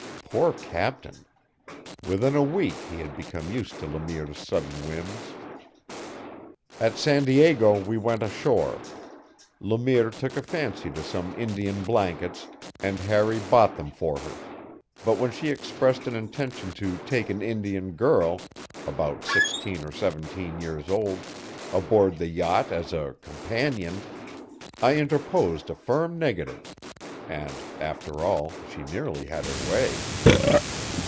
Poor captain! Within a week he became used to Le Mire's sudden whims. At San Diego we went ashore. Le Mire took a fancy to some Indian blankets, and Harry bought them for her; but when she expressed an intention to take an Indian girl about sixteen or seventeen years old aboard the yacht as a "companion," I interposed a firm negative. And, after all, she nearly had her way.